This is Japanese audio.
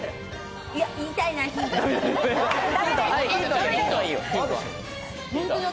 言いたいな、ヒント。